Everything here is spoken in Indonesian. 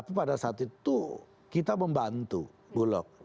karena saat itu kita membantu bulog